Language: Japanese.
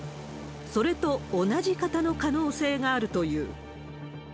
それと同じ型の可能性があるという。